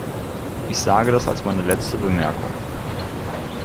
Ich sage das als meine letzte Bemerkung.